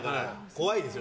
怖いですよ。